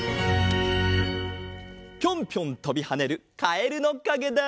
ピョンピョンとびはねるカエルのかげだ！